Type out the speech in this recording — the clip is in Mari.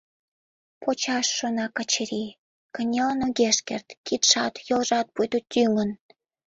Почаш, шона Качырий, кынелын огеш керт, кидшат, йолжат пуйто тӱҥын.